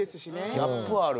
ギャップある。